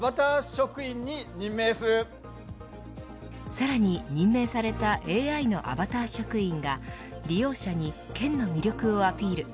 さらに任命されたＡＩのアバター職員が利用者に、県の魅力をアピール。